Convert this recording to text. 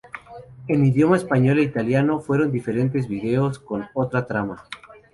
En idioma español e italiano fueron diferentes vídeos, con otra "trama".